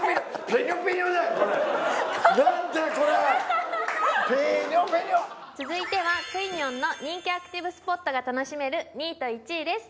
ペニョペニョ続いてはクイニョンの人気アクティブスポットが楽しめる２位と１位です